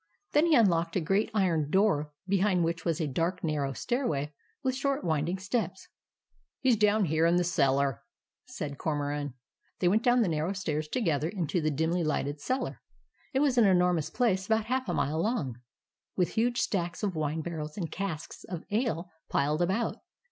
Then he unlocked a great iron door behind which was a dark, narrow stairway with short winding steps. "HE'S DOWN HERE IN THE CELLAR," said Cormoran. They went down the narrow stairs to 218 THE ADVENTURES OF MABEL gether, into the dimly lighted cellar. It was an enormous place about half a mile long, with huge stacks of wine barrels and casks of ale piled about.